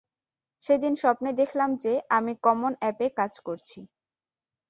সেদিন স্বপ্নে দেখলাম যে, আমি কমন অ্যাপে কাজ করছি।